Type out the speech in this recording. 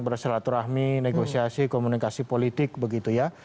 bersilaturahmi negosiasi komunikasi politik begitu ya